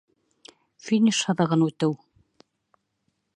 Финиш һыҙығын үтеү